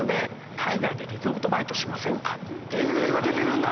ていうの今出てるんだ。